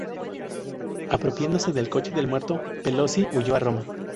Apropiándose del coche del muerto, Pelosi huyó a Roma.